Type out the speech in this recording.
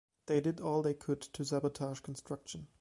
They did all they could to sabotage construction.